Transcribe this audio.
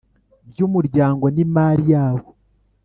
by’Umuryango n’imari yawo;